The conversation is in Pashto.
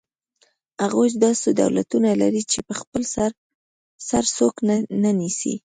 هغوی داسې دولتونه لري چې په خپل سر څوک نه نیسي.